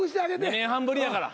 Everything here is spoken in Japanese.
２年半ぶりやから。